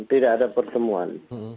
tidak ada pertemuan